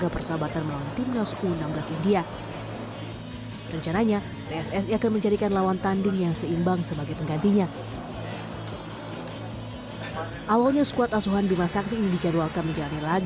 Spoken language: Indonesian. pemilihan timnas u sembilan belas indonesia